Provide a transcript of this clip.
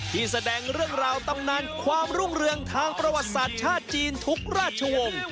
ที่แสดงเรื่องราวตำนานความรุ่งเรืองทางประวัติศาสตร์ชาติจีนทุกราชวงศ์